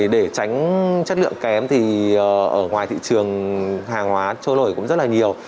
để tránh chất lượng kém thì ở ngoài thị trường hàng hóa trôi nổi cũng rất là nhiều